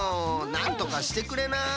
なんとかしてくれない？